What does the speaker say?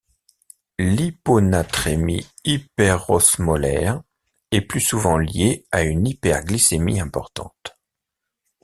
L'hyponatrémie hyperosmolaire est plus souvent liée à une hyperglycémie importante.